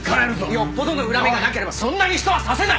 よっぽどの恨みがなければそんなに人は刺せない！